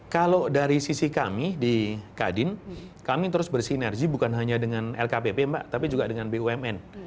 kalau dari sisi kami di kadin kami terus bersinergi bukan hanya dengan lkpp mbak tapi juga dengan bumn